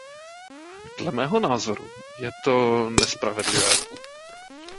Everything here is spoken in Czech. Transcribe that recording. Dle mého názoru je to nespravedlivé.